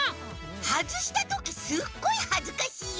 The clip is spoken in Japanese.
はずしたときすっごいはずかしいよ。